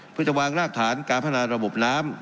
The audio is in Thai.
เพื่อจะวางรากฐานการพัฒนาระบบน้ำ